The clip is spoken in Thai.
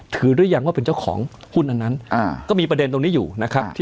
หรือยังว่าเป็นเจ้าของหุ้นอันนั้นก็มีประเด็นตรงนี้อยู่นะครับ